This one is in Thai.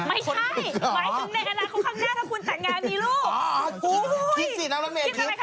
ไม่ใช่หมายถึงในอาหารเขาข้างหน้า